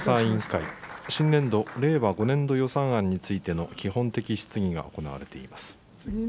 衆議院予算委員会、新年度・令和５年度予算案についての基本的質疑が行われています。